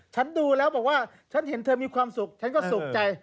ฉันดูแล้วบอกว่าฉันเห็นเธอมีความสุขฉันก็สุขใจ